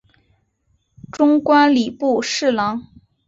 终官礼部侍郎。